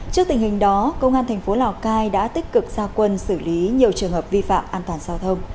trước tình hình đó công an thành phố lào cai đã tích cực gia quân xử lý nhiều trường hợp vi phạm an toàn giao thông